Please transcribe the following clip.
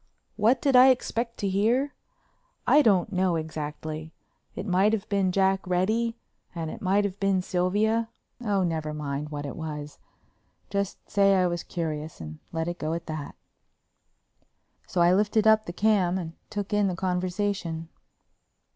What did I expect to hear? I don't know exactly. It might have been Jack Reddy and it might have been Sylvia—oh, never mind what it was—just say I was curious and let it go at that. So I lifted up the cam and took in the conversation.